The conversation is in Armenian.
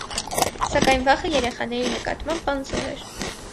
Սակայն վախը երեխաների նկատմամբ անզոր էր։